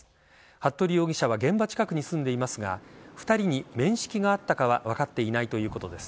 服部容疑者は現場近くに住んでいますが２人に面識があったかは分かっていないということです。